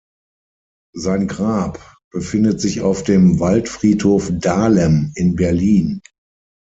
Sein Grab befindet sich auf dem Waldfriedhof Dahlem in Berlin.